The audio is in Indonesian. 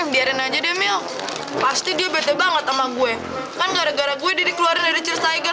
biarin aja demil pasti dia bete banget sama gue kan gara gara gue dikeluarin dari cheers tiger